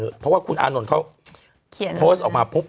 เพราะว่าคุณอานนท์เขาเขียนโพสต์ออกมาปุ๊บ